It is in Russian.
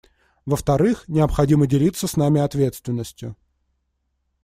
Во-вторых, необходимо делиться с нами ответственностью.